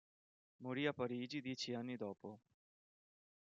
Morì a Parigi dieci anni dopo.